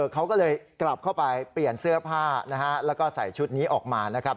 เขาก็เลยกลับเข้าไปเปลี่ยนเสื้อผ้านะฮะแล้วก็ใส่ชุดนี้ออกมานะครับ